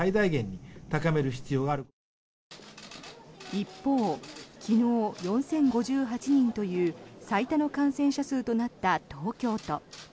一方、昨日４０５８人という最多の感染者数となった東京都。